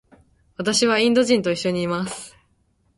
私はインド人と一緒にいます。